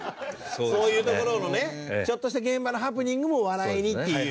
そういうところのねちょっとした現場のハプニングも笑いにっていう。